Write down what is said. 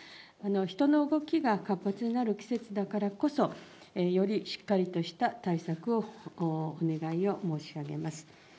人の動きが活発になる季節だからこそ、よりしっかりとした対策をお願いを申し上げます。